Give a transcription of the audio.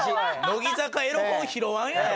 乃木坂エロ本拾わんやろ！